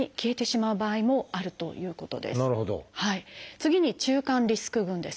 次に中間リスク群です。